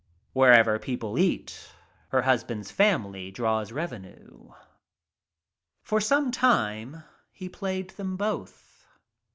Wherever people eat her husband's family draws • revenue. For some time, he played them both.